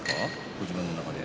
ご自分の中で。